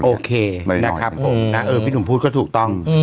โอเคนะครับผมนะเออพี่หนุ่มพูดก็ถูกต้อง